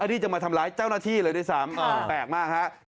ที่จะมาทำร้ายเจ้าหน้าที่เลยด้วยซ้ำแปลกมากฮะ